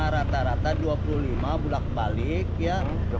rata rata dua puluh lima bulat balik ya